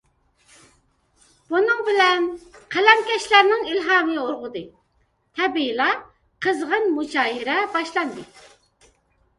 بۇنىڭ بىلەن قەلەمكەشلەرنىڭ ئىلھامى ئۇرغۇدى، تەبىئىيلا قىزغىن مۇشائىرە باشلاندى.